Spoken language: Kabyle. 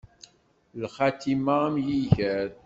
Lxatima am yiger.